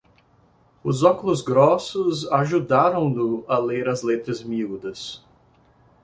Os óculos grossos ajudaram-no a ler as letras miúdas.